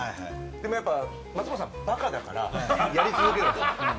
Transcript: でもやっぱ松村さんバカだからやり続けるんですよ。